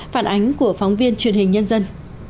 phản ánh của phóng viên truyền hình nhân dân